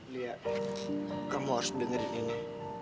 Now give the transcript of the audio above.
lihat kamu harus dengerin ini